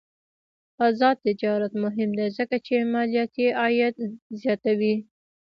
آزاد تجارت مهم دی ځکه چې مالیاتي عاید زیاتوي.